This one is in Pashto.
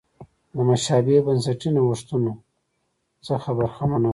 له مشابه بنسټي نوښتونو څخه برخمنه وه.